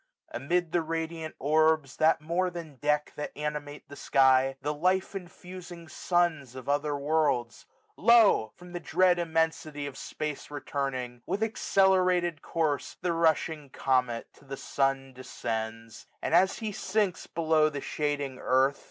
Amid the radiant orbs. That more than deck, that animate the sky. The life infusing suns of other worlds ; Lo ! from the dread immensity of space 1705 Returning, with accelerated course. The rushing comet to the sun descends ; And as he sinks below the shading earth.